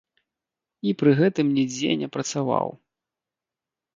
І пры гэтым нідзе не працаваў.